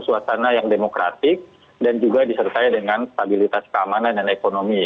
suasana yang demokratik dan juga disertai dengan stabilitas keamanan dan ekonomi